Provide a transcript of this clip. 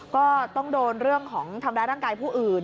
ก็ต้องโดนเรื่องของทำร้ายร่างกายผู้อื่น